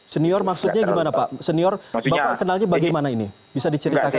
senior maksudnya gimana pak senior bapak kenalnya bagaimana ini bisa diceritakan